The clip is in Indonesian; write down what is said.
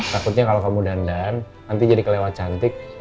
takutnya kalau kamu dandan nanti jadi kelewat cantik